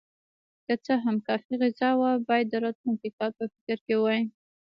که څه هم کافي غذا وه، باید د راتلونکي کال په فکر کې وای.